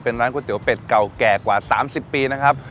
เป็นร้านก๋วเป็ดเก่าแก่กว่า๓๐ปีนะครับ